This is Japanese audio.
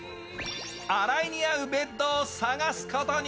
新井に合うベッドを探すことに。